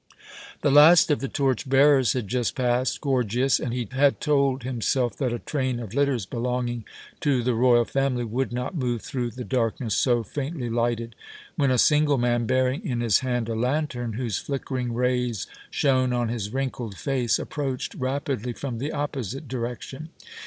The last of the torch bearers had just passed Gorgias, and he had told himself that a train of litters belonging to the royal family would not move through the darkness so faintly lighted, when a single man, bearing in his hand a lantern, whose flickering rays shone on his wrinkled face, approached rapidly from the opposite direction.